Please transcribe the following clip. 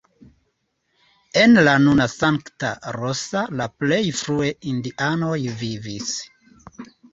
En la nuna Santa Rosa la plej frue indianoj vivis.